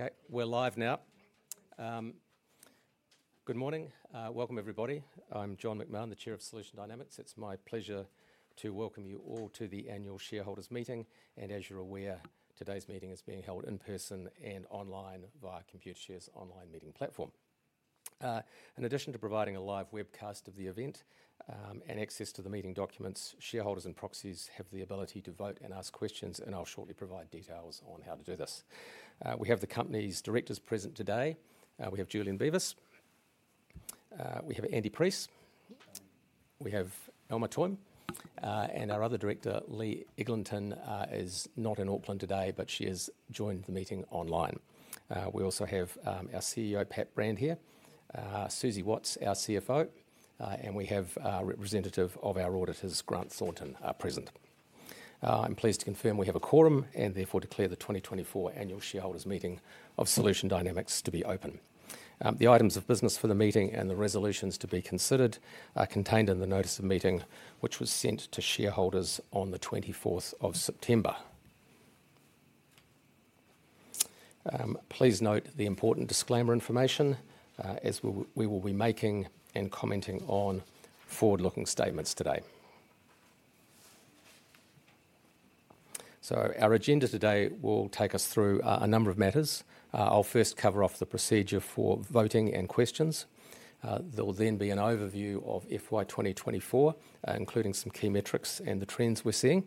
Okay, we're live now. Good morning. Welcome, everybody. I'm John McMahon, the Chair of Solution Dynamics. It's my pleasure to welcome you all to the annual shareholders' meeting, and as you're aware, today's meeting is being held in person and online via Computershare's online meeting platform. In addition to providing a live webcast of the event, and access to the meeting documents, shareholders and proxies have the ability to vote and ask questions, and I'll shortly provide details on how to do this. We have the company's directors present today. We have Julian Beavis. We have Andy Preece. We have Elmar Toime, and our other director, Lee Eglinton, is not in Auckland today, but she has joined the meeting online. We also have our CEO, Pat Brand, here, Suzy Watts, our CFO, and we have a representative of our auditors, Grant Thornton, present. I'm pleased to confirm we have a quorum, and therefore declare the 2024 Annual Shareholders' Meeting of Solution Dynamics to be open. The items of business for the meeting and the resolutions to be considered are contained in the notice of meeting, which was sent to shareholders on the 24th of September. Please note the important disclaimer information, as we will be making and commenting on forward-looking statements today. So our agenda today will take us through a number of matters. I'll first cover off the procedure for voting and questions. There will then be an overview of FY 2024, including some key metrics and the trends we're seeing.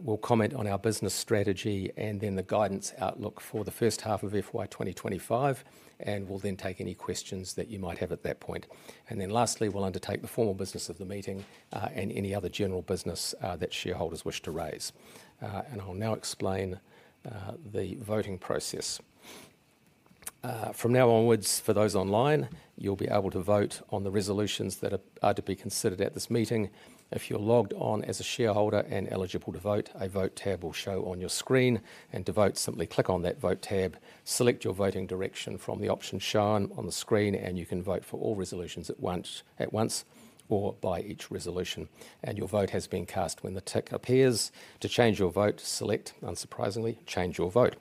We'll comment on our business strategy and then the guidance outlook for the first half of FY 2025, and we'll then take any questions that you might have at that point, and then lastly, we'll undertake the formal business of the meeting, and any other general business that shareholders wish to raise, and I'll now explain the voting process. From now onwards, for those online, you'll be able to vote on the resolutions that are to be considered at this meeting. If you're logged on as a shareholder and eligible to vote, a Vote tab will show on your screen, and to vote, simply click on that Vote tab, select your voting direction from the options shown on the screen, and you can vote for all resolutions at once, or by each resolution. And your vote has been cast when the tick appears. To change your vote, select, unsurprisingly, Change Your Vote.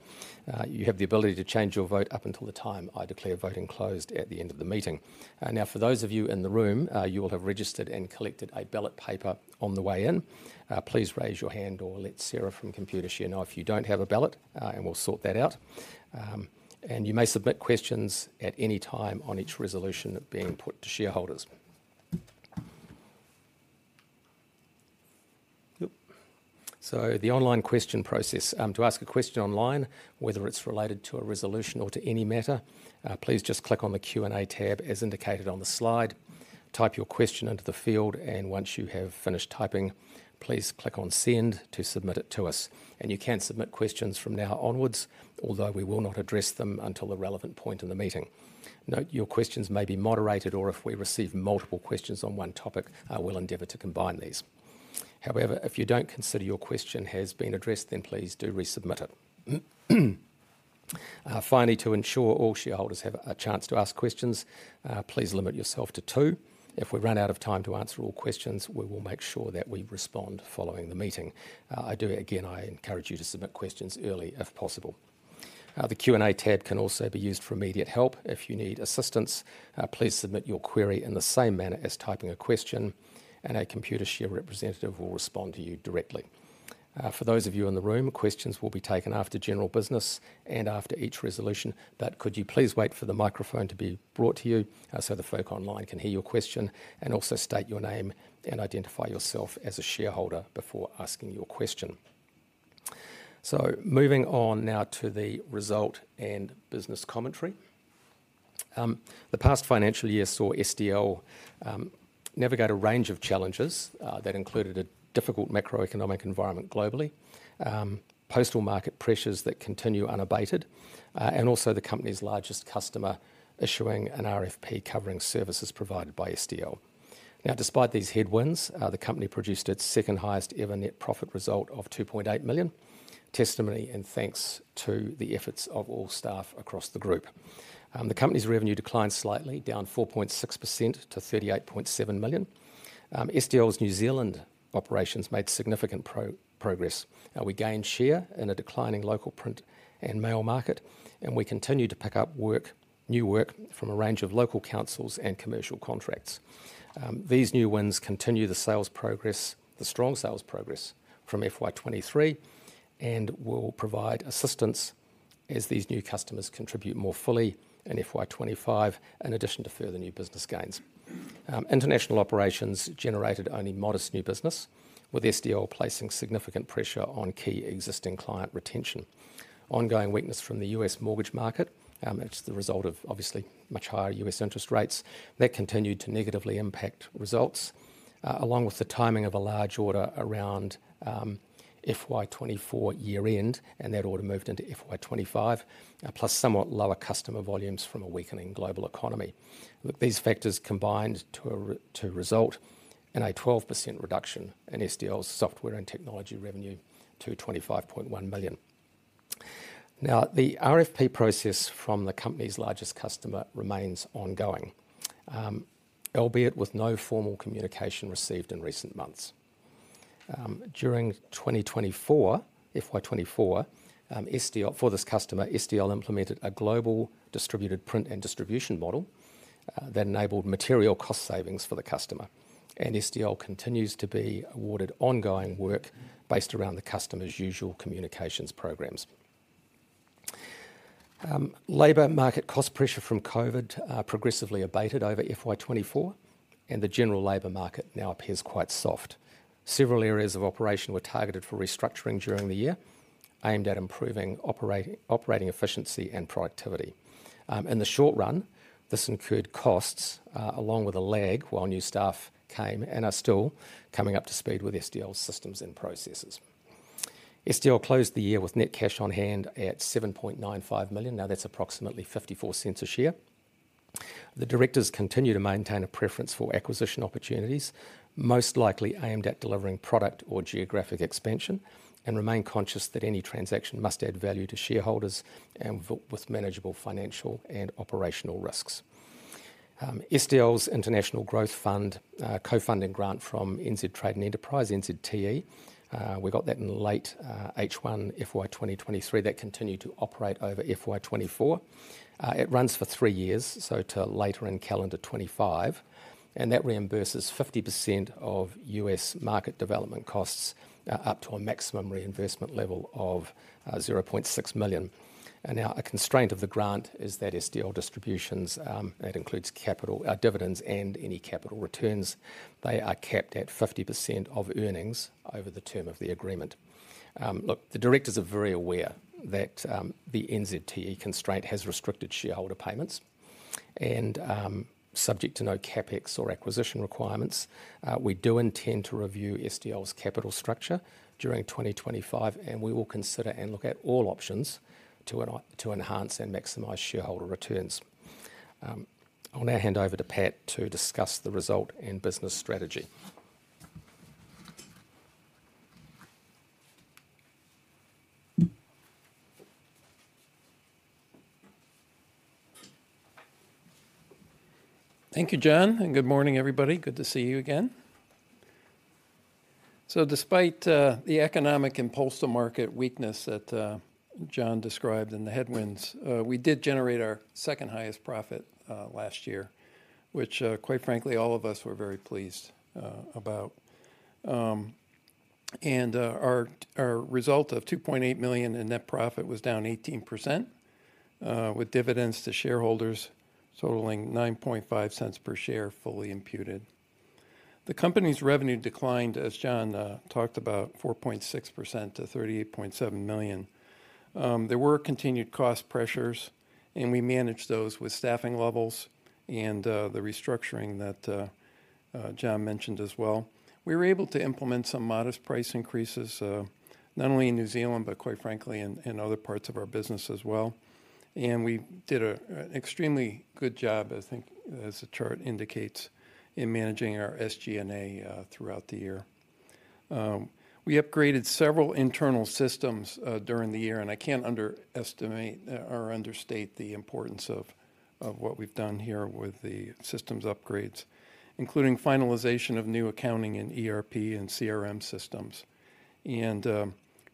You have the ability to change your vote up until the time I declare voting closed at the end of the meeting. Now, for those of you in the room, you will have registered and collected a ballot paper on the way in. Please raise your hand or let Sarah from Computershare know if you don't have a ballot, and we'll sort that out. And you may submit questions at any time on each resolution being put to shareholders. So the online question process. To ask a question online, whether it's related to a resolution or to any matter, please just click on the Q&A tab, as indicated on the slide, type your question into the field, and once you have finished typing, please click on Send to submit it to us. And you can submit questions from now onwards, although we will not address them until the relevant point in the meeting. Note, your questions may be moderated, or if we receive multiple questions on one topic, we'll endeavor to combine these. However, if you don't consider your question has been addressed, then please do resubmit it. Finally, to ensure all shareholders have a chance to ask questions, please limit yourself to two. If we run out of time to answer all questions, we will make sure that we respond following the meeting. I do... Again, I encourage you to submit questions early, if possible. The Q&A tab can also be used for immediate help. If you need assistance, please submit your query in the same manner as typing a question, and a Computershare representative will respond to you directly. For those of you in the room, questions will be taken after general business and after each resolution, but could you please wait for the microphone to be brought to you, so the folks online can hear your question, and also state your name and identify yourself as a shareholder before asking your question. Moving on now to the result and business commentary. The past financial year saw SDL navigate a range of challenges that included a difficult macroeconomic environment globally, postal market pressures that continue unabated, and also the company's largest customer issuing an RFP covering services provided by SDL. Now, despite these headwinds, the company produced its second-highest-ever net profit result of 2.8 million. Testament to the efforts of all staff across the group. The company's revenue declined slightly, down 4.6% to 38.7 million. SDL's New Zealand operations made significant progress. We gained share in a declining local print and mail market, and we continued to pick up work, new work from a range of local councils and commercial contracts. These new wins continue the sales progress, the strong sales progress from FY 2023 and will provide assistance as these new customers contribute more fully in FY 2025, in addition to further new business gains. International operations generated only modest new business, with SDL placing significant pressure on key existing client retention. Ongoing weakness from the U.S. mortgage market, which is the result of obviously much higher U.S. interest rates, that continued to negatively impact results, along with the timing of a large order around FY 2024 year-end, and that order moved into FY 2025, plus somewhat lower customer volumes from a weakening global economy. Look, these factors combined to result in a 12% reduction in SDL's software and technology revenue to 25.1 million. Now, the RFP process from the company's largest customer remains ongoing, albeit with no formal communication received in recent months. During 2024, FY 2024, SDL, for this customer, SDL implemented a global distributed print and distribution model, that enabled material cost savings for the customer. And SDL continues to be awarded ongoing work based around the customer's usual communications programs. Labor market cost pressure from COVID progressively abated over FY 2024, and the general labor market now appears quite soft. Several areas of operation were targeted for restructuring during the year, aimed at improving operating efficiency and productivity. In the short run, this incurred costs, along with a lag, while new staff came and are still coming up to speed with SDL's systems and processes. SDL closed the year with net cash on hand at 7.95 million. Now, that's approximately 0.54 a share. The directors continue to maintain a preference for acquisition opportunities, most likely aimed at delivering product or geographic expansion, and remain conscious that any transaction must add value to shareholders and with manageable financial and operational risks. SDL's International Growth Fund co-funding grant from New Zealand Trade and Enterprise, NZTE, we got that in late H1 FY 2023. That continued to operate over FY 2024. It runs for three years, so to later in calendar 2025, and that reimburses 50% of US market development costs up to a maximum reimbursement level of 0.6 million. And now, a constraint of the grant is that SDL distributions, that includes capital, dividends and any capital returns, they are capped at 50% of earnings over the term of the agreement. Look, the directors are very aware that the NZTE constraint has restricted shareholder payments, and subject to no CapEx or acquisition requirements, we do intend to review SDL's capital structure during 2025, and we will consider and look at all options to enhance and maximize shareholder returns. I'll now hand over to Pat to discuss the result and business strategy. Thank you, John, and good morning, everybody. Good to see you again. So despite the economic and postal market weakness that John described and the headwinds, we did generate our second highest profit last year, which quite frankly all of us were very pleased about, and our result of 2.8 million in net profit was down 18% with dividends to shareholders totaling 0.095 per share, fully imputed. The company's revenue declined, as John talked about, 4.6% to 38.7 million. There were continued cost pressures, and we managed those with staffing levels and the restructuring that John mentioned as well. We were able to implement some modest price increases, not only in New Zealand, but quite frankly, in other parts of our business as well. We did an extremely good job, I think, as the chart indicates, in managing our SG&A throughout the year. We upgraded several internal systems during the year, and I can't underestimate or understate the importance of what we've done here with the systems upgrades, including finalization of new accounting and ERP and CRM systems,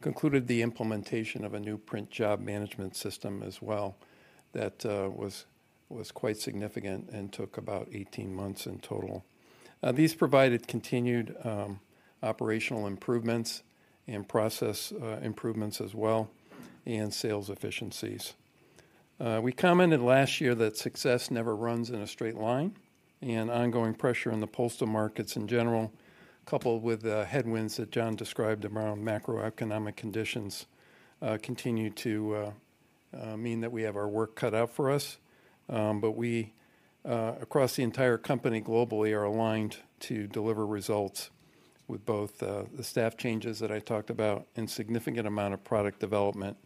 and concluded the implementation of a new print job management system as well. That was quite significant and took about 18 months in total. These provided continued operational improvements and process improvements as well, and sales efficiencies. We commented last year that success never runs in a straight line, and ongoing pressure on the postal markets in general, coupled with the headwinds that John described around macroeconomic conditions, continue to mean that we have our work cut out for us. But we, across the entire company globally, are aligned to deliver results with both the staff changes that I talked about and significant amount of product development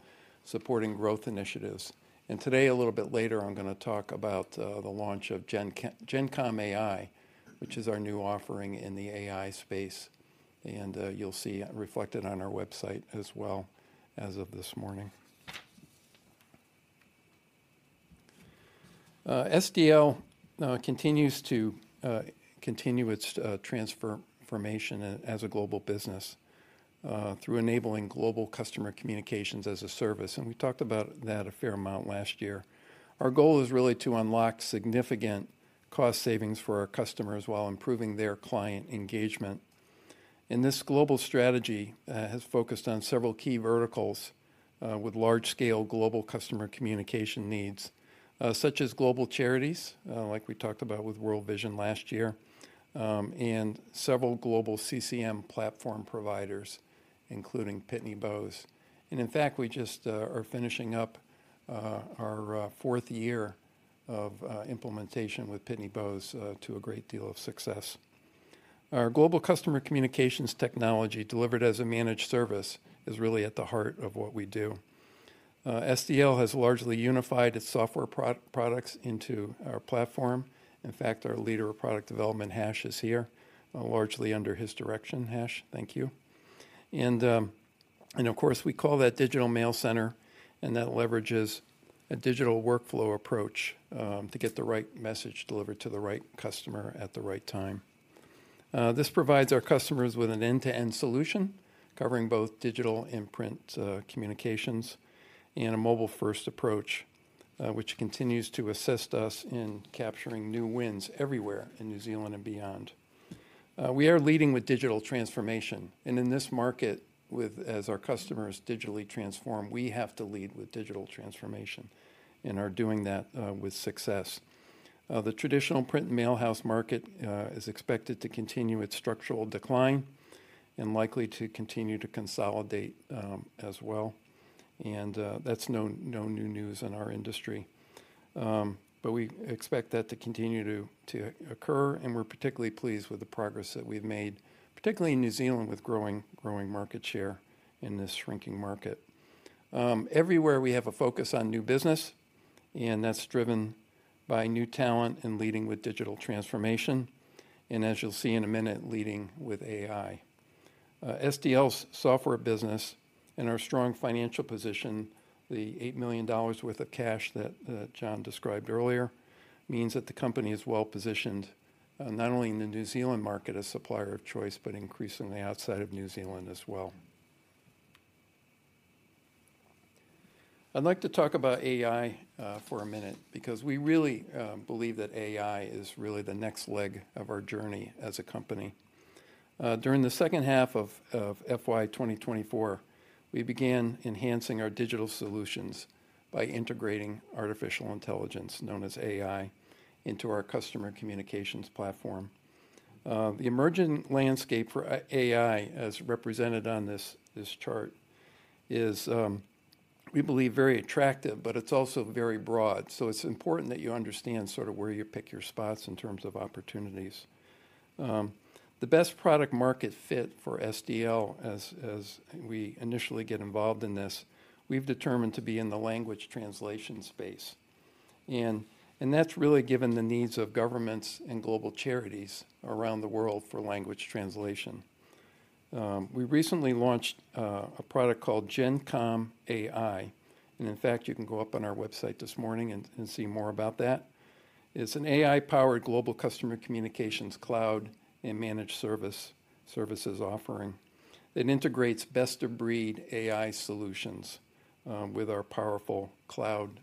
supporting growth initiatives. And today, a little bit later, I'm gonna talk about the launch of GenCom AI, which is our new offering in the AI space, and you'll see it reflected on our website as well as of this morning. SDL continues to continue its transformation as a global business through enabling global customer communications as a service, and we talked about that a fair amount last year. Our goal is really to unlock significant cost savings for our customers while improving their client engagement. And this global strategy has focused on several key verticals with large-scale global customer communication needs, such as global charities, like we talked about with World Vision last year, and several global CCM platform providers, including Pitney Bowes. And in fact, we just are finishing up our fourth year of implementation with Pitney Bowes to a great deal of success. Our global customer communications technology, delivered as a managed service, is really at the heart of what we do. SDL has largely unified its software products into our platform. In fact, our leader of product development, Hash, is here, largely under his direction. Hash, thank you. And of course, we call that Digital Mail Centre, and that leverages a digital workflow approach to get the right message delivered to the right customer at the right time. This provides our customers with an end-to-end solution, covering both digital and print communications, and a mobile-first approach, which continues to assist us in capturing new wins everywhere in New Zealand and beyond. We are leading with digital transformation, and in this market, as our customers digitally transform, we have to lead with digital transformation and are doing that with success. The traditional print and mail house market is expected to continue its structural decline and likely to continue to consolidate, as well, and that's no new news in our industry, but we expect that to continue to occur, and we're particularly pleased with the progress that we've made, particularly in New Zealand, with growing market share in this shrinking market. Everywhere we have a focus on new business, and that's driven by new talent and leading with digital transformation, and as you'll see in a minute, leading with AI. SDL's software business and our strong financial position, the 8 million dollars worth of cash that John described earlier, means that the company is well-positioned, not only in the New Zealand market as supplier of choice, but increasingly outside of New Zealand as well. I'd like to talk about AI for a minute, because we really believe that AI is really the next leg of our journey as a company. During the second half of FY 2024, we began enhancing our digital solutions by integrating artificial intelligence, known as AI, into our customer communications platform. The emerging landscape for AI, as represented on this chart, is, we believe, very attractive, but it's also very broad. So it's important that you understand sort of where you pick your spots in terms of opportunities. The best product market fit for SDL as we initially get involved in this, we've determined to be in the language translation space. And that's really given the needs of governments and global charities around the world for language translation. We recently launched a product called GenCom AI, and in fact, you can go up on our website this morning and see more about that. It's an AI-powered global customer communications cloud and managed services offering. It integrates best-of-breed AI solutions with our powerful cloud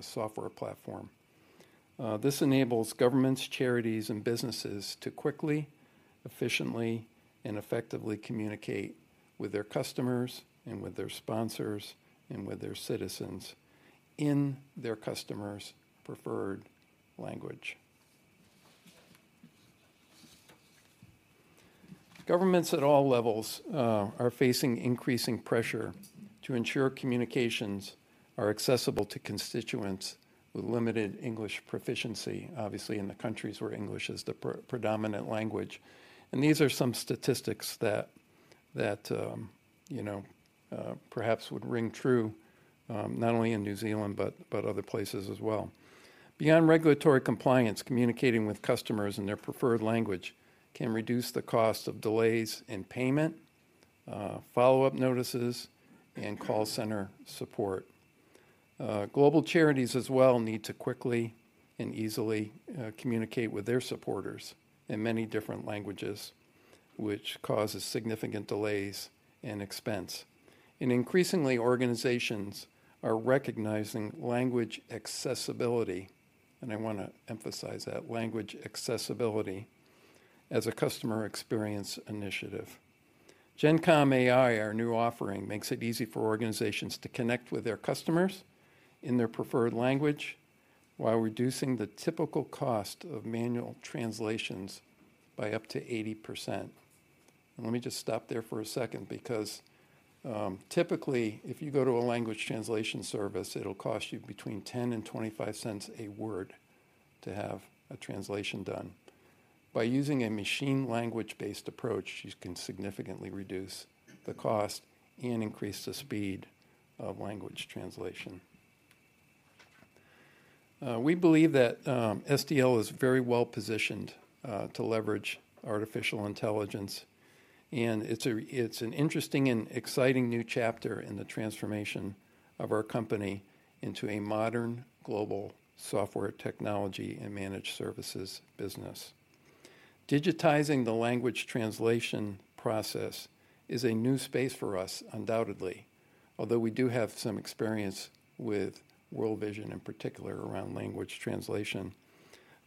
software platform. This enables governments, charities, and businesses to quickly, efficiently, and effectively communicate with their customers and with their sponsors and with their citizens in their customers' preferred language. Governments at all levels are facing increasing pressure to ensure communications are accessible to constituents with limited English proficiency, obviously in the countries where English is the predominant language. These are some statistics that you know perhaps would ring true, not only in New Zealand, but other places as well. Beyond regulatory compliance, communicating with customers in their preferred language can reduce the cost of delays in payment, follow-up notices, and call center support. Global charities as well need to quickly and easily communicate with their supporters in many different languages, which causes significant delays and expense. And increasingly, organizations are recognizing language accessibility, and I wanna emphasize that, language accessibility, as a customer experience initiative. GenCom AI, our new offering, makes it easy for organizations to connect with their customers in their preferred language, while reducing the typical cost of manual translations by up to 80%. And let me just stop there for a second, because typically, if you go to a language translation service, it'll cost you between 10 and 25 cents a word to have a translation done. By using a machine learning-based approach, you can significantly reduce the cost and increase the speed of language translation. We believe that SDL is very well-positioned to leverage artificial intelligence, and it's an interesting and exciting new chapter in the transformation of our company into a modern, global software technology and managed services business. Digitizing the language translation process is a new space for us, undoubtedly, although we do have some experience with World Vision, in particular, around language translation.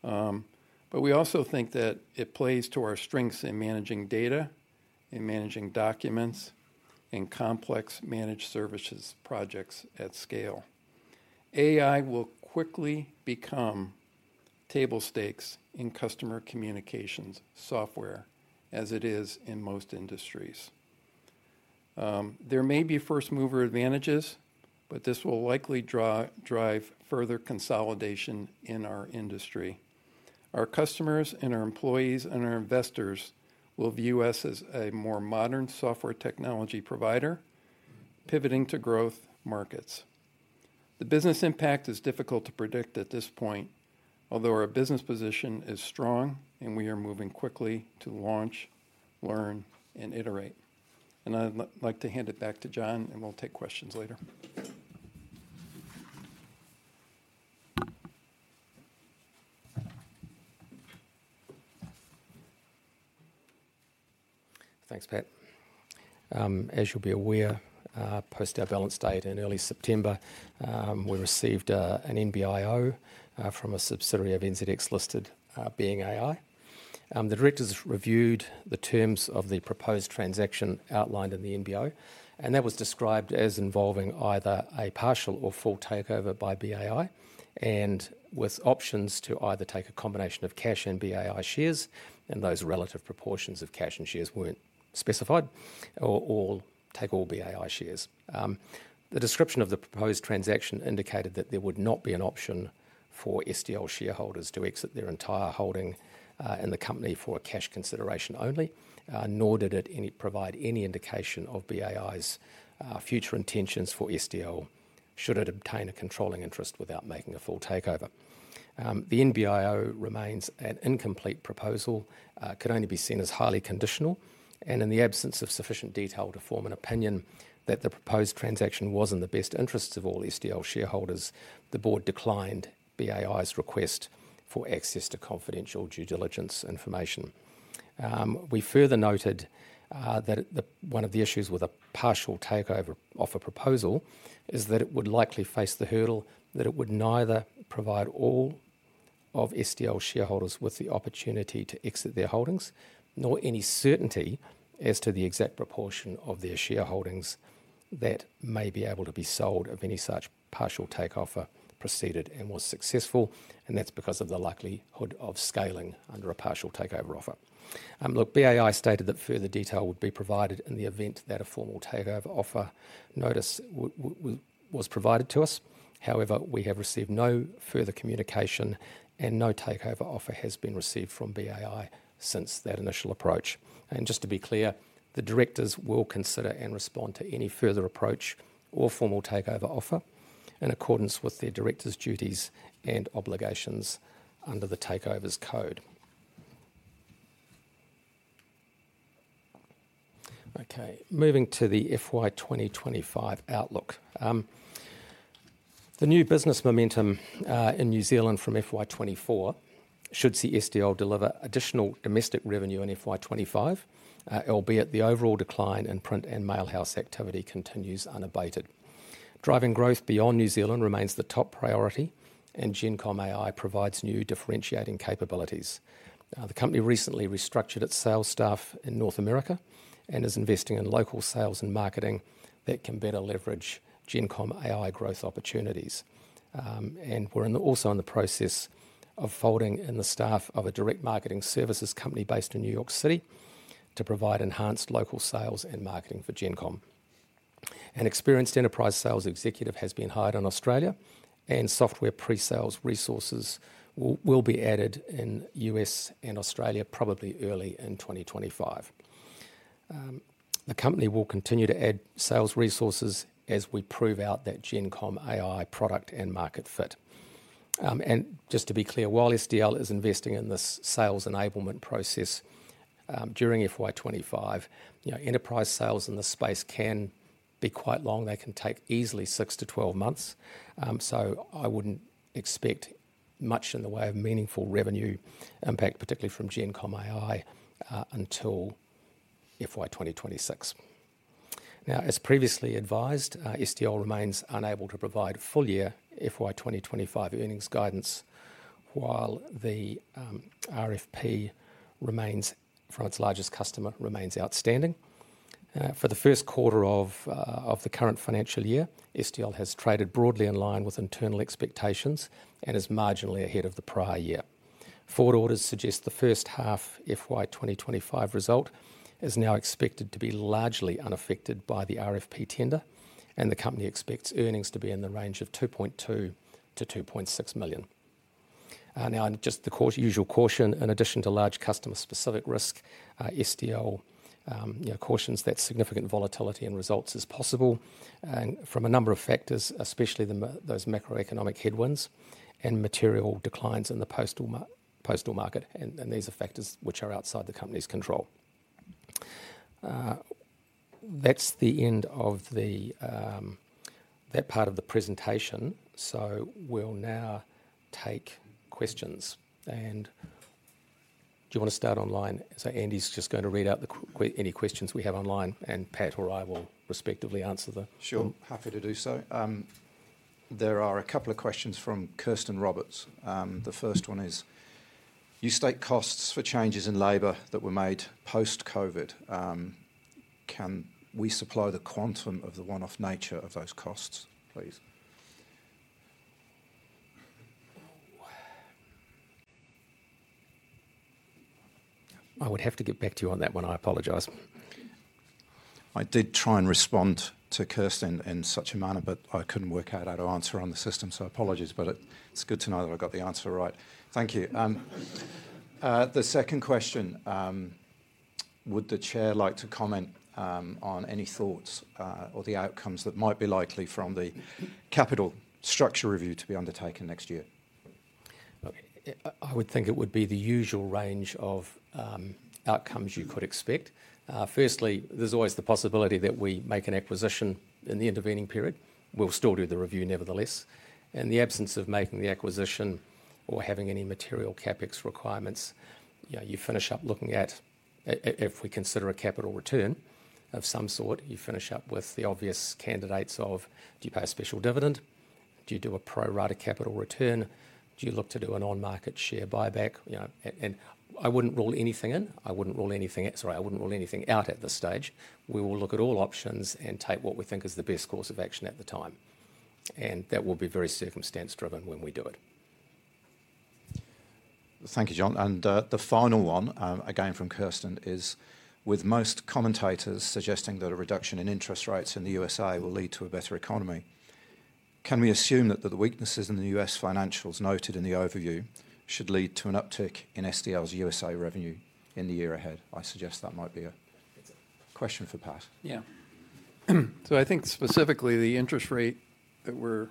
But we also think that it plays to our strengths in managing data and managing documents and complex managed services projects at scale. AI will quickly become table stakes in customer communications software, as it is in most industries. There may be first mover advantages, but this will likely drive further consolidation in our industry. Our customers and our employees and our investors will view us as a more modern software technology provider, pivoting to growth markets.... The business impact is difficult to predict at this point, although our business position is strong and we are moving quickly to launch, learn, and iterate. And I'd like to hand it back to John, and we'll take questions later. Thanks, Pat. As you'll be aware, post our balance date in early September, we received an NBIO from a subsidiary of NZX-listed Being AI. The directors reviewed the terms of the proposed transaction outlined in the NBIO, and that was described as involving either a partial or full takeover by BAI, and with options to either take a combination of cash and BAI shares, and those relative proportions of cash and shares weren't specified, or take all BAI shares. The description of the proposed transaction indicated that there would not be an option for SDL shareholders to exit their entire holding in the company for a cash consideration only, nor did it provide any indication of BAI's future intentions for SDL, should it obtain a controlling interest without making a full takeover. The NBIO remains an incomplete proposal, could only be seen as highly conditional, and in the absence of sufficient detail to form an opinion that the proposed transaction was in the best interests of all SDL shareholders, the board declined BAI's request for access to confidential due diligence information. We further noted that one of the issues with a partial takeover offer proposal is that it would likely face the hurdle that it would neither provide all of SDL shareholders with the opportunity to exit their holdings, nor any certainty as to the exact proportion of their shareholdings that may be able to be sold if any such partial take offer proceeded and was successful, and that's because of the likelihood of scaling under a partial takeover offer. Look, BAI stated that further detail would be provided in the event that a formal takeover offer notice was provided to us. However, we have received no further communication and no takeover offer has been received from BAI since that initial approach. And just to be clear, the directors will consider and respond to any further approach or formal takeover offer in accordance with their directors' duties and obligations under the Takeovers Code. Okay, moving to the FY 2025 outlook. The new business momentum in New Zealand from FY 2024 should see SDL deliver additional domestic revenue in FY 2025, albeit the overall decline in print and mail house activity continues unabated. Driving growth beyond New Zealand remains the top priority, and GenCom AI provides new differentiating capabilities. The company recently restructured its sales staff in North America and is investing in local sales and marketing that can better leverage GenCom AI growth opportunities. And we're also in the process of folding in the staff of a direct marketing services company based in New York City to provide enhanced local sales and marketing for GenCom AI. An experienced enterprise sales executive has been hired in Australia, and software pre-sales resources will be added in U.S. and Australia, probably early in 2025. The company will continue to add sales resources as we prove out that GenCom AI product and market fit. And just to be clear, while SDL is investing in this sales enablement process, during FY 2025, you know, enterprise sales in this space can be quite long. They can take easily six to 12 months. So I wouldn't expect much in the way of meaningful revenue impact, particularly from GenCom AI, until FY 2026. Now, as previously advised, SDL remains unable to provide full year FY 2025 earnings guidance, while the RFP remains for its largest customer, remains outstanding. For the first quarter of the current financial year, SDL has traded broadly in line with internal expectations and is marginally ahead of the prior year. Forward orders suggest the first half FY 2025 result is now expected to be largely unaffected by the RFP tender, and the company expects earnings to be in the range of 2.2 million-2.6 million. Now, just the usual caution, in addition to large customer-specific risk, SDL, you know, cautions that significant volatility in results is possible, and from a number of factors, especially those macroeconomic headwinds and material declines in the postal market, and these are factors which are outside the company's control. That's the end of that part of the presentation, so we'll now take questions. And do you want to start online? So Andy's just going to read out any questions we have online, and Pat or I will respectively answer them. Sure, happy to do so. There are a couple of questions from Kirsten Roberts. The first one is: You state costs for changes in labor that were made post-COVID. Can we supply the quantum of the one-off nature of those costs, please? I would have to get back to you on that one. I apologize. I did try and respond to Kirsten in such a manner, but I couldn't work out how to answer on the system, so apologies, but it, it's good to know that I got the answer right. Thank you. The second question... Would the chair like to comment on any thoughts or the outcomes that might be likely from the capital structure review to be undertaken next year? Okay. I would think it would be the usual range of outcomes you could expect. Firstly, there's always the possibility that we make an acquisition in the intervening period. We'll still do the review nevertheless. In the absence of making the acquisition or having any material CapEx requirements, you know, you finish up looking at if we consider a capital return of some sort, you finish up with the obvious candidates of: do you pay a special dividend? Do you do a pro rata capital return? Do you look to do an on-market share buyback, you know? And I wouldn't rule anything in, I wouldn't rule anything out. Sorry, I wouldn't rule anything out at this stage. We will look at all options and take what we think is the best course of action at the time, and that will be very circumstance-driven when we do it. Thank you, John. And, the final one, again from Kirsten, is: with most commentators suggesting that a reduction in interest rates in the U.S. will lead to a better economy, can we assume that the weaknesses in the U.S. financials noted in the overview should lead to an uptick in SDL's U.S. revenue in the year ahead? I suggest that might be a question for Pat. Yeah. So I think specifically the interest rate that we're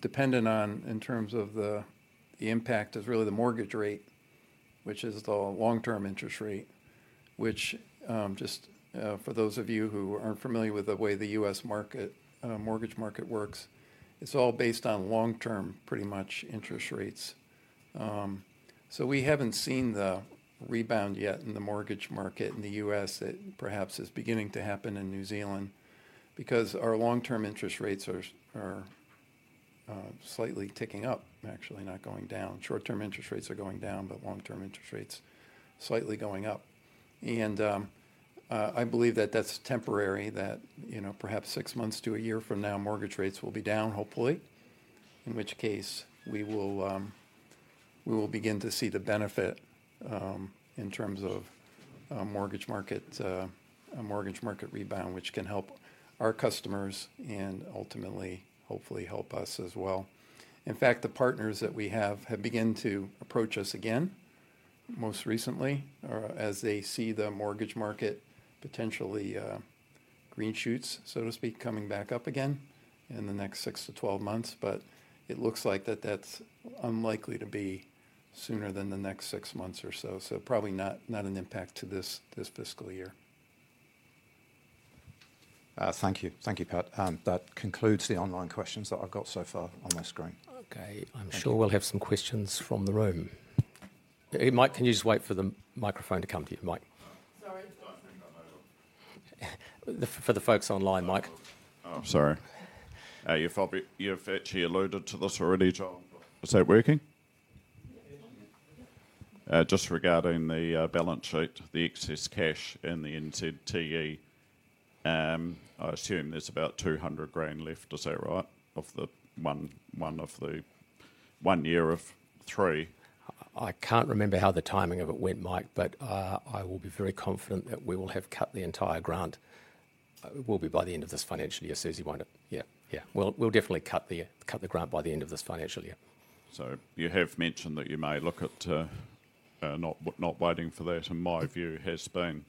dependent on in terms of the impact is really the mortgage rate, which is the long-term interest rate, which just for those of you who aren't familiar with the way the U.S. market mortgage market works, it's all based on long-term pretty much interest rates. So we haven't seen the rebound yet in the mortgage market in the U.S. that perhaps is beginning to happen in New Zealand, because our long-term interest rates are are slightly ticking up, actually, not going down. Short-term interest rates are going down, but long-term interest rates slightly going up. I believe that that's temporary, that, you know, perhaps six months to a year from now, mortgage rates will be down, hopefully, in which case, we will begin to see the benefit in terms of a mortgage market rebound, which can help our customers and ultimately, hopefully, help us as well. In fact, the partners that we have begun to approach us again most recently as they see the mortgage market potentially green shoots, so to speak, coming back up again in the next six to 12 months, but it looks like that's unlikely to be sooner than the next six months or so. Probably not an impact to this fiscal year. Thank you. Thank you, Pat. That concludes the online questions that I've got so far on my screen. Okay. Thank you. I'm sure we'll have some questions from the room. Mike, can you just wait for the microphone to come to you, Mike? Sorry. I think I'm over. For the folks online, Mike. Oh, sorry. You've actually alluded to this already, John. Is that working? Yeah. Just regarding the balance sheet, the excess cash, and the NZTE, I assume there's about 200,000 left. Is that right? Of the one year of three. I can't remember how the timing of it went, Mike, but I will be very confident that we will have cut the entire grant. It will be by the end of this financial year, Susie, won't it? Yeah. Yeah. We'll definitely cut the grant by the end of this financial year. So you have mentioned that you may look at not waiting for that, and my view has been,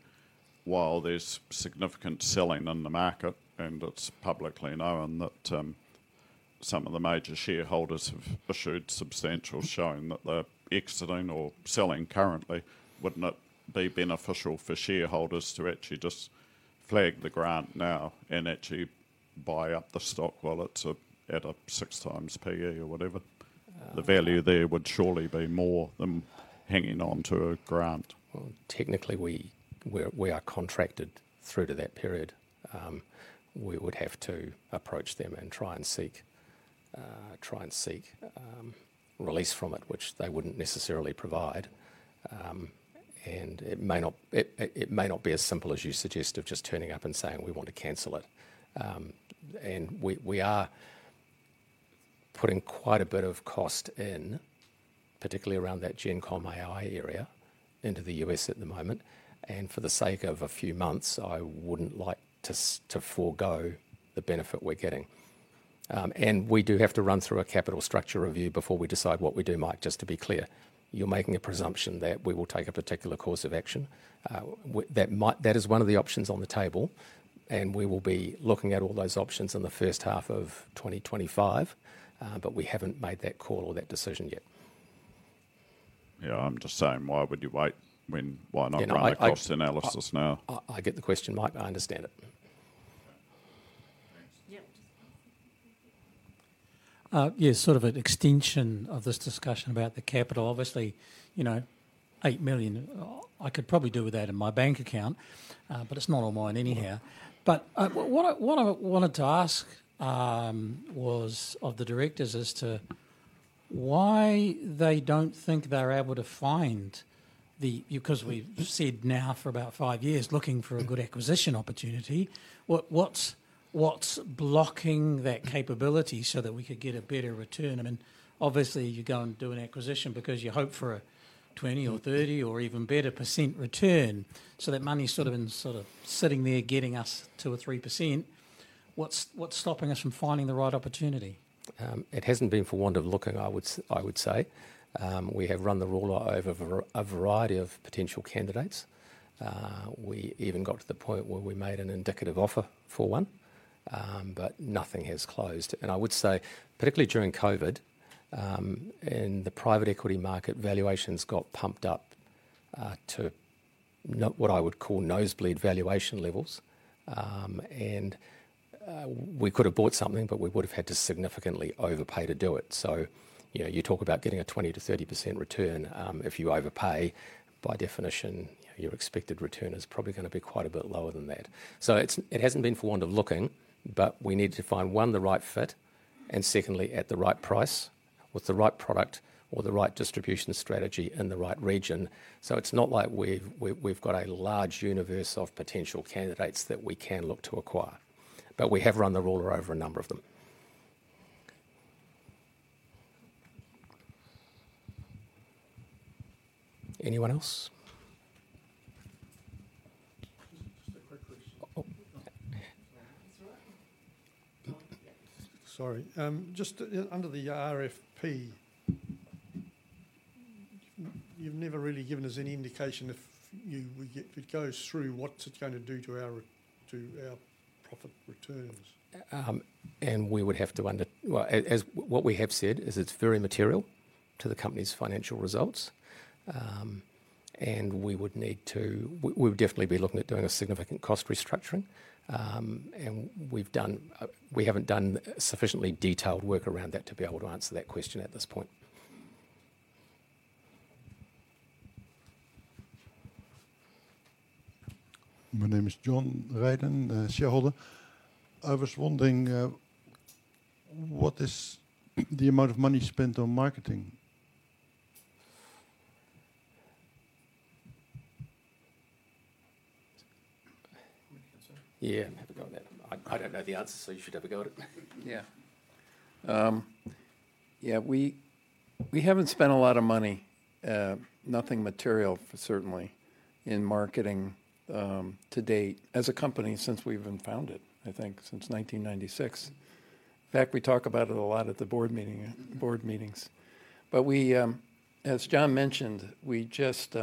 while there's significant selling in the market, and it's publicly known that some of the major shareholders have issued substantial showing that they're exiting or selling currently, wouldn't it be beneficial for shareholders to actually just flag the grant now and actually buy up the stock while it's at a six times PE or whatever? Uh. The value there would surely be more than hanging on to a grant. Well, technically, we are contracted through to that period. We would have to approach them and try and seek release from it, which they wouldn't necessarily provide, and it may not be as simple as you suggest, of just turning up and saying: "We want to cancel it." And we are putting quite a bit of cost in, particularly around that GenCom AI area, into the US at the moment, and for the sake of a few months, I wouldn't like to forgo the benefit we're getting. And we do have to run through a capital structure review before we decide what we do, Mike, just to be clear. You're making a presumption that we will take a particular course of action. That might... That is one of the options on the table, and we will be looking at all those options in the first half of twenty twenty-five, but we haven't made that call or that decision yet. Yeah, I'm just saying, why would you wait when, why not- Yeah, I-... run the cost analysis now? I get the question, Mike. I understand it. Okay. Thanks. Yeah, just... Yeah, sort of an extension of this discussion about the capital. Obviously, you know, 8 million, I could probably do with that in my bank account, but it's not all mine anyhow. But, what I wanted to ask was of the directors as to why they don't think they're able to find the... Because we've said now for about five years, looking for a good acquisition opportunity. What’s blocking that capability so that we could get a better return? I mean, obviously, you go and do an acquisition because you hope for a 20%-30% or even better % return. So that money's sitting there getting us 2%-3%.... What’s stopping us from finding the right opportunity? It hasn't been for want of looking, I would say. We have run the ruler over a variety of potential candidates. We even got to the point where we made an indicative offer for one, but nothing has closed. I would say, particularly during COVID, in the private equity market, valuations got pumped up to what I would call nosebleed valuation levels. We could have bought something, but we would have had to significantly overpay to do it. So, you know, you talk about getting a 20%-30% return. If you overpay, by definition, your expected return is probably gonna be quite a bit lower than that. So it hasn't been for want of looking, but we need to find, one, the right fit, and secondly, at the right price, with the right product or the right distribution strategy in the right region. So it's not like we've got a large universe of potential candidates that we can look to acquire, but we have run the ruler over a number of them. Anyone else? Just, just a quick question. Oh. Sorry. Just, under the RFP, you've never really given us any indication if you would get... If it goes through, what's it going to do to our profit returns? What we have said is it's very material to the company's financial results, and we would need to. We'd definitely be looking at doing a significant cost restructuring, and we haven't done sufficiently detailed work around that to be able to answer that question at this point. My name is John Ridan, shareholder. I was wondering, what is the amount of money spent on marketing? Want me to answer? Yeah, have a go at it. I, I don't know the answer, so you should have a go at it. Yeah. Yeah, we haven't spent a lot of money, nothing material, certainly, in marketing, to date as a company since we even founded, I think since 1996. In fact, we talk about it a lot at the board meetings. But we, as John mentioned, we just,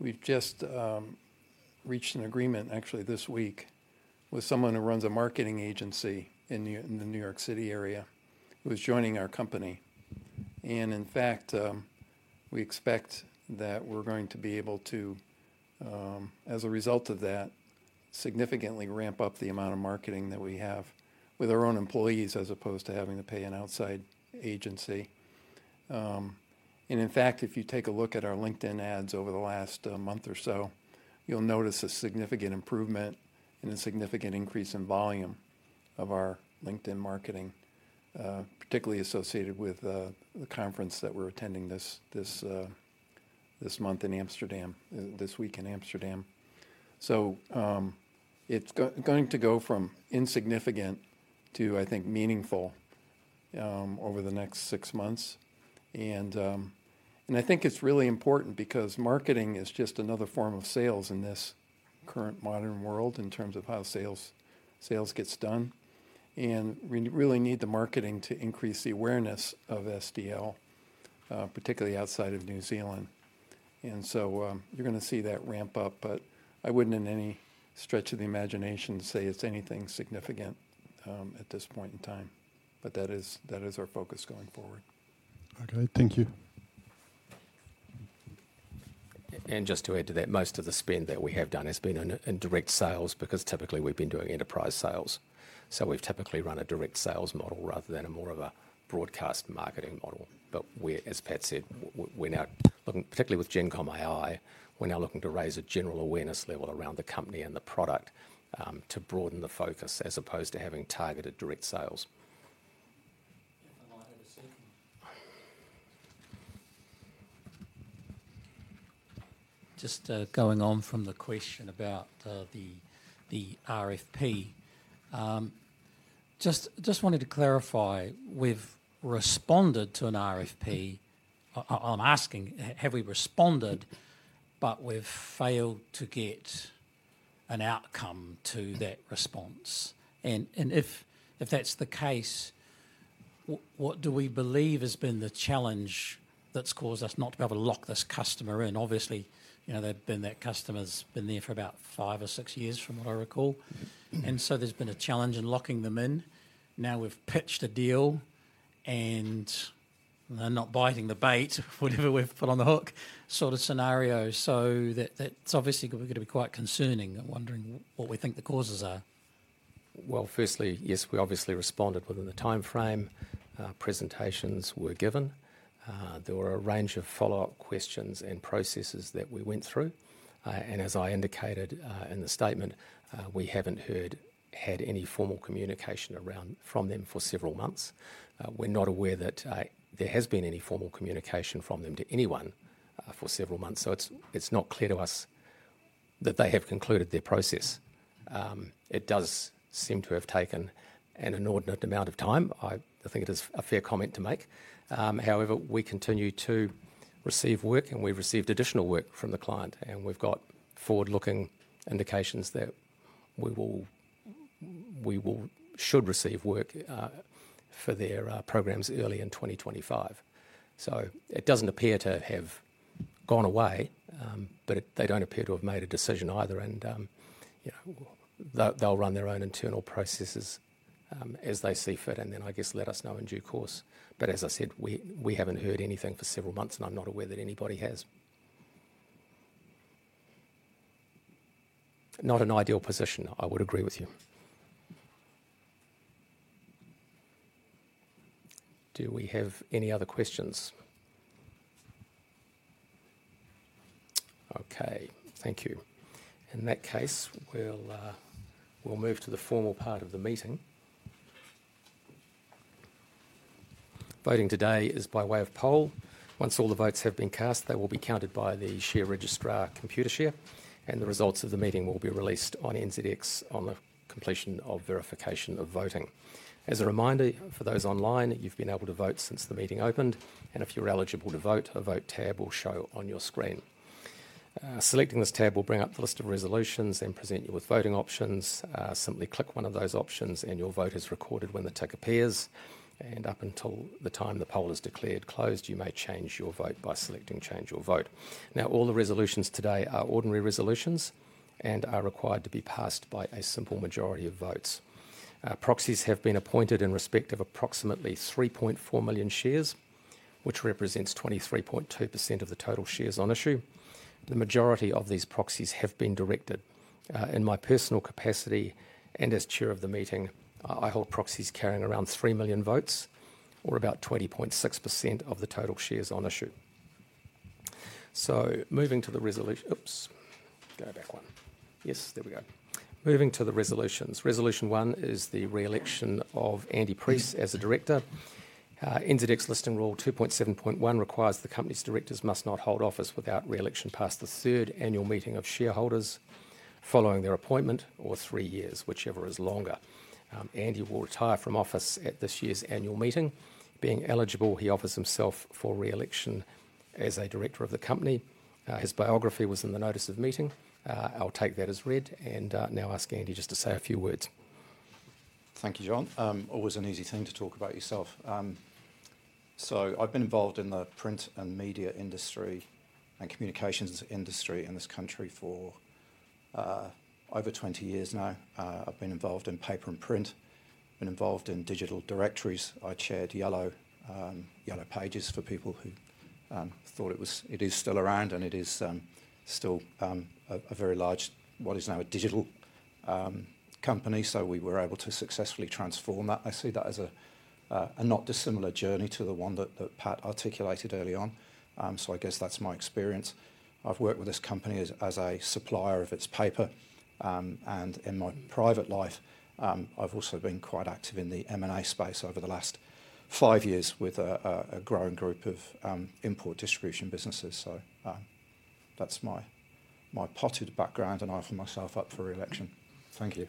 we've just reached an agreement, actually, this week, with someone who runs a marketing agency in New York City area, who is joining our company. And in fact, we expect that we're going to be able to, as a result of that, significantly ramp up the amount of marketing that we have with our own employees, as opposed to having to pay an outside agency. And in fact, if you take a look at our LinkedIn ads over the last month or so, you'll notice a significant improvement and a significant increase in volume of our LinkedIn marketing, particularly associated with the conference that we're attending this month in Amsterdam, this week in Amsterdam. It's going to go from insignificant to, I think, meaningful over the next six months. And I think it's really important because marketing is just another form of sales in this current modern world in terms of how sales gets done. And we really need the marketing to increase the awareness of SDL, particularly outside of New Zealand. You're gonna see that ramp up, but I wouldn't in any stretch of the imagination say it's anything significant at this point in time. But that is, that is our focus going forward. Okay. Thank you. And just to add to that, most of the spend that we have done has been on, in direct sales, because typically we've been doing enterprise sales. So we've typically run a direct sales model rather than a more of a broadcast marketing model. But we're, as Pat said, we're now looking, particularly with GenCom AI, to raise a general awareness level around the company and the product, to broaden the focus as opposed to having targeted direct sales. And I have a second. Just going on from the question about the RFP. Just wanted to clarify: we've responded to an RFP. I'm asking, have we responded, but we've failed to get an outcome to that response? And if that's the case, what do we believe has been the challenge that's caused us not to be able to lock this customer in? Obviously, you know, that customer's been there for about five or six years, from what I recall. Mm-hmm. And so there's been a challenge in locking them in. Now, we've pitched a deal, and they're not biting the bait, whatever we've put on the hook sort of scenario. So that, that's obviously going to be quite concerning. I'm wondering what we think the causes are. Firstly, yes, we obviously responded within the timeframe. Presentations were given. There were a range of follow-up questions and processes that we went through. And as I indicated, in the statement, we haven't had any formal communication from them for several months. We're not aware that there has been any formal communication from them to anyone for several months, so it's not clear to us that they have concluded their process. It does seem to have taken an inordinate amount of time. I think it is a fair comment to make. However, we continue to receive work, and we've received additional work from the client, and we've got forward-looking indications that we should receive work for their programs early in twenty twenty-five. So it doesn't appear to have gone away, but they don't appear to have made a decision either, and, you know, they'll run their own internal processes, as they see fit, and then I guess let us know in due course. But as I said, we haven't heard anything for several months, and I'm not aware that anybody has. Not an ideal position, I would agree with you. Do we have any other questions? Okay, thank you. In that case, we'll move to the formal part of the meeting. Voting today is by way of poll. Once all the votes have been cast, they will be counted by the share registrar, Computershare, and the results of the meeting will be released on NZX on the completion of verification of voting. As a reminder for those online, you've been able to vote since the meeting opened, and if you're eligible to vote, a Vote tab will show on your screen. Selecting this tab will bring up the list of resolutions and present you with voting options. Simply click one of those options, and your vote is recorded when the tick appears, and up until the time the poll is declared closed, you may change your vote by selecting Change Your Vote. Now, all the resolutions today are ordinary resolutions and are required to be passed by a simple majority of votes. Proxies have been appointed in respect of approximately 3.4 million shares, which represents 23.2% of the total shares on issue. The majority of these proxies have been directed in my personal capacity, and as Chair of the meeting, I hold proxies carrying around three million votes or about 20.6% of the total shares on issue. Moving to the resolutions. Resolution one is the re-election of Andy Preece as a director. NZX Listing Rule 2.7.1 requires the company's directors must not hold office without re-election past the third annual meeting of shareholders following their appointment or three years, whichever is longer. Andy will retire from office at this year's annual meeting. Being eligible, he offers himself for re-election as a director of the company. His biography was in the notice of meeting. I'll take that as read and now ask Andy just to say a few words. Thank you, John. Always an easy thing to talk about yourself, so I've been involved in the print and media industry and communications industry in this country for over twenty years now. I've been involved in paper and print. I've been involved in digital directories. I chaired Yellow Pages for people who thought it was. It is still around, and it is still a very large, what is now a digital company, so we were able to successfully transform that. I see that as a not dissimilar journey to the one that Pat articulated early on, so I guess that's my experience. I've worked with this company as a supplier of its paper, and in my private life, I've also been quite active in the M&A space over the last five years with a growing group of import distribution businesses. So, that's my potted background, and I offer myself up for re-election. Thank you.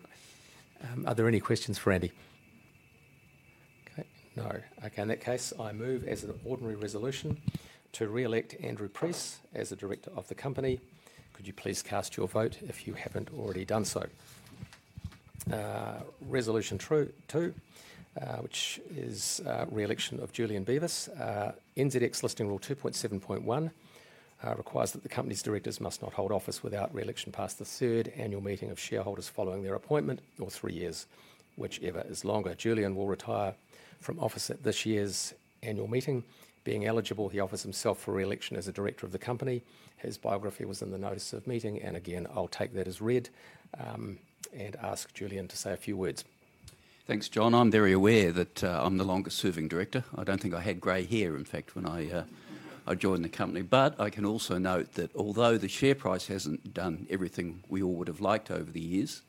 Are there any questions for Andy? Okay, no. Okay, in that case, I move as an ordinary resolution to re-elect Andrew Preece as a director of the company. Could you please cast your vote if you haven't already done so? Resolution 2.2, which is re-election of Julian Beavis. NZX Listing Rule 2.7.1 requires that the company's directors must not hold office without re-election past the third annual meeting of shareholders following their appointment or three years, whichever is longer. Julian will retire from office at this year's annual meeting. Being eligible, he offers himself for re-election as a director of the company. His biography was in the notice of meeting, and again, I'll take that as read, and ask Julian to say a few words. Thanks, John. I'm very aware that I'm the longest-serving director. I don't think I had gray hair, in fact, when I joined the company. But I can also note that although the share price hasn't done everything we all would have liked over the years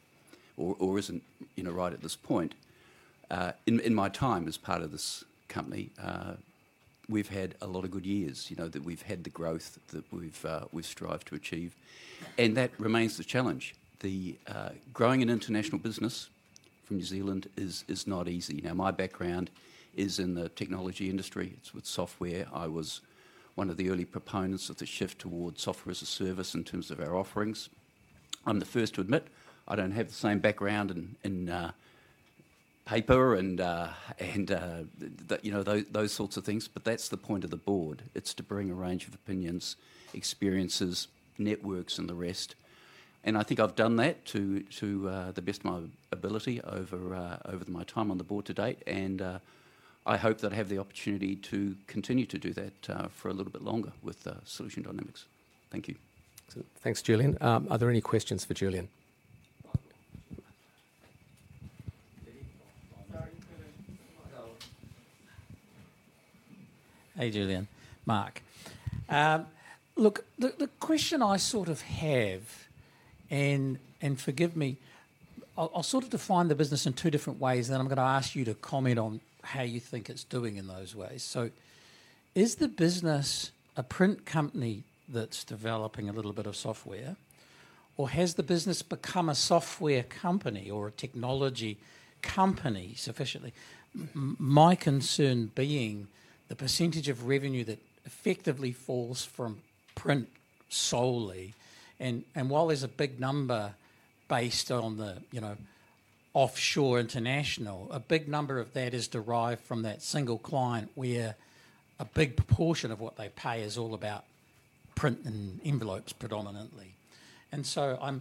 or isn't, you know, right at this point, in my time as part of this company, we've had a lot of good years, you know, that we've had the growth that we've strived to achieve, and that remains the challenge. Growing an international business from New Zealand is not easy. Now, my background is in the technology industry. It's with software. I was one of the early proponents of the shift towards software as a service in terms of our offerings. I'm the first to admit I don't have the same background in paper and the, you know, those sorts of things, but that's the point of the board. It's to bring a range of opinions, experiences, networks, and the rest, and I think I've done that to the best of my ability over my time on the board to date, and I hope that I have the opportunity to continue to do that for a little bit longer with Solution Dynamics. Thank you. Thanks, Julian. Are there any questions for Julian? Hey, Julian, Marc. Look, the question I sort of have, and forgive me, I'll sort of define the business in two different ways, then I'm gonna ask you to comment on how you think it's doing in those ways. So is the business a print company that's developing a little bit of software, or has the business become a software company or a technology company sufficiently? My concern being the percentage of revenue that-... effectively falls from print solely. And while there's a big number based on the, you know, offshore international, a big number of that is derived from that single client, where a big proportion of what they pay is all about print and envelopes, predominantly. And so I'm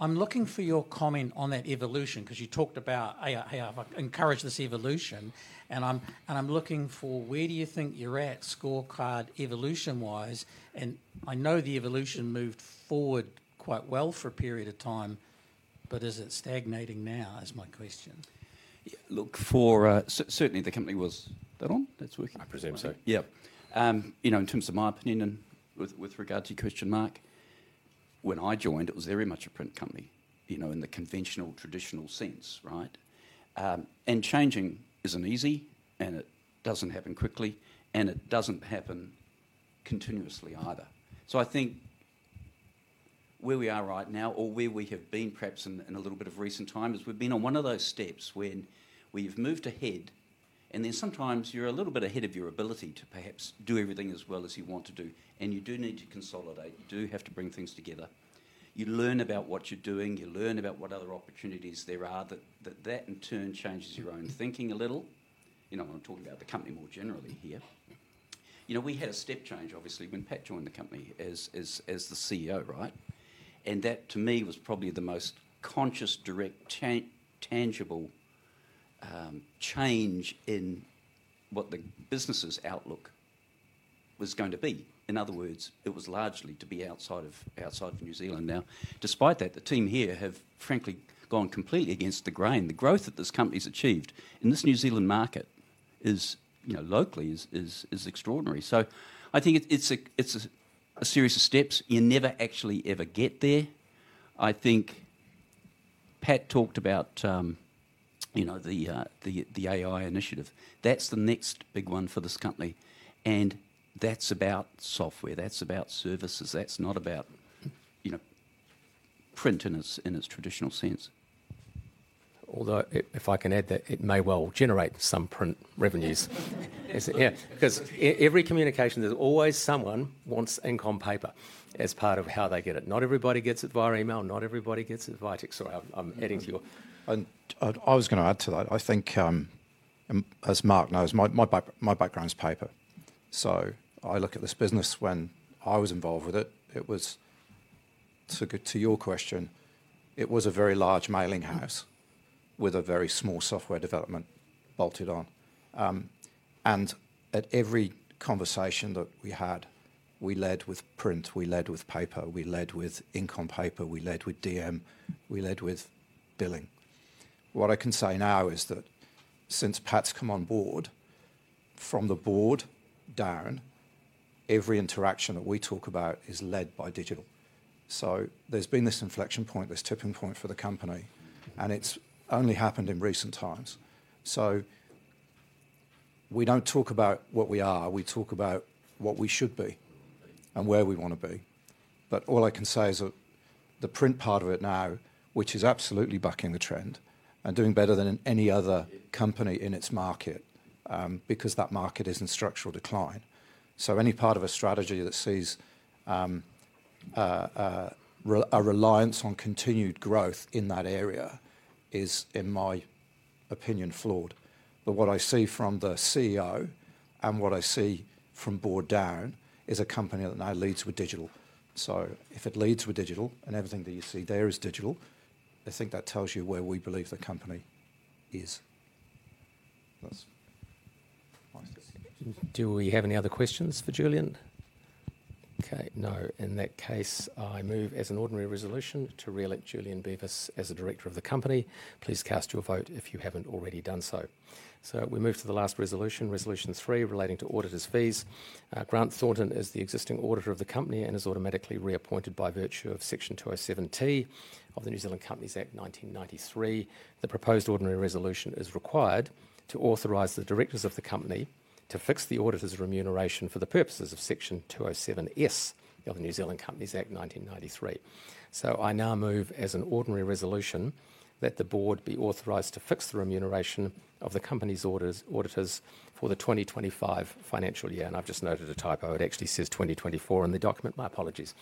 looking for your comment on that evolution, 'cause you talked about AI has, like, encouraged this evolution, and I'm looking for where do you think you're at scorecard evolution-wise? And I know the evolution moved forward quite well for a period of time, but is it stagnating now? Is my question. Yeah, look, for certainly, the company was... Is that on? That's working? I presume so. Yeah. You know, in terms of my opinion and with regard to your question, Mark, when I joined, it was very much a print company, you know, in the conventional, traditional sense, right? And changing isn't easy, and it doesn't happen quickly, and it doesn't happen continuously either. So I think where we are right now, or where we have been perhaps in a little bit of recent times, we've been on one of those steps when we've moved ahead, and then sometimes you're a little bit ahead of your ability to perhaps do everything as well as you want to do, and you do need to consolidate. You do have to bring things together. You learn about what you're doing, you learn about what other opportunities there are, that in turn changes your own thinking a little. You know, I'm talking about the company more generally here. You know, we had a step change, obviously, when Pat joined the company as the CEO, right? And that, to me, was probably the most conscious, direct, tangible change in what the business's outlook was going to be. In other words, it was largely to be outside of New Zealand. Now, despite that, the team here have frankly gone completely against the grain. The growth that this company's achieved in this New Zealand market is, you know, locally extraordinary. So I think it's a series of steps. You never actually ever get there. I think Pat talked about, you know, the AI initiative. That's the next big one for this company, and that's about software, that's about services. That's not about, you know, print in its traditional sense. Although, if I can add that it may well generate some print revenues. Yeah, 'cause every communication, there's always someone wants ink on paper as part of how they get it. Not everybody gets it via email, not everybody gets it via text. Sorry, I'm adding to your- I was gonna add to that. I think, and as Marc knows, my background is paper. So I look at this business when I was involved with it. It was, to get to your question, a very large mailing house with a very small software development bolted on. And at every conversation that we had, we led with print, we led with paper, we led with ink on paper, we led with DM, we led with billing. What I can say now is that since Pat's come on board, from the board down, every interaction that we talk about is led by digital. So there's been this inflection point, this tipping point for the company, and it's only happened in recent times. So we don't talk about what we are, we talk about what we should be and where we wanna be. But all I can say is that the print part of it now, which is absolutely bucking the trend and doing better than any other company in its market, because that market is in structural decline. So any part of a strategy that sees a reliance on continued growth in that area is, in my opinion, flawed. But what I see from the CEO and what I see from board down, is a company that now leads with digital. So if it leads with digital, and everything that you see there is digital, I think that tells you where we believe the company is. That's... Do we have any other questions for Julian? Okay, no. In that case, I move as an ordinary resolution to re-elect Julian Beavis as a director of the company. Please cast your vote if you haven't already done so. So we move to the last resolution, Resolution Three, relating to auditors' fees. Grant Thornton is the existing auditor of the company and is automatically reappointed by virtue of Section 207T of the New Zealand Companies Act 1993. The proposed ordinary resolution is required to authorize the directors of the company to fix the auditor's remuneration for the purposes of Section 207S of the New Zealand Companies Act 1993. So I now move as an ordinary resolution that the board be authorized to fix the remuneration of the company's auditors for the 2025 financial year, and I've just noted a typo. It actually says "2024" in the document. My apologies.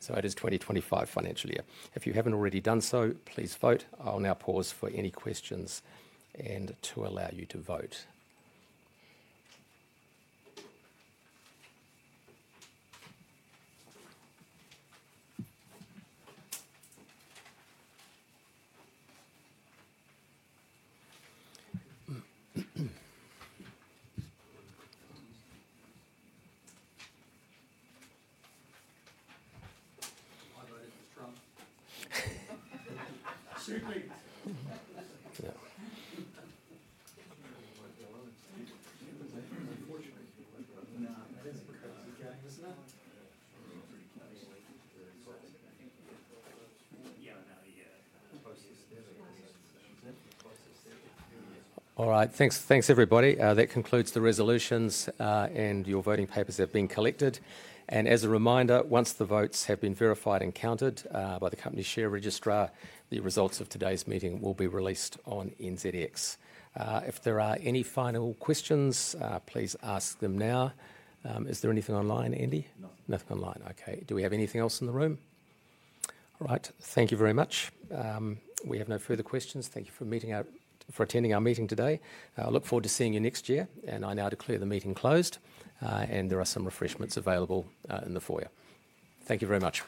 So it is 2025 financial year. If you haven't already done so, please vote. I'll now pause for any questions and to allow you to vote. Trump. Seriously. Yeah. No, that is-... Yeah. Closest. Closest. All right. Thanks, thanks, everybody. That concludes the resolutions, and your voting papers have been collected, and as a reminder, once the votes have been verified and counted, by the company share registrar, the results of today's meeting will be released on NZX. If there are any final questions, please ask them now. Is there anything online, Andy? Nothing. Nothing online. Okay. Do we have anything else in the room? All right. Thank you very much. We have no further questions. Thank you for attending our meeting today. I look forward to seeing you next year, and I now declare the meeting closed, and there are some refreshments available in the foyer. Thank you very much.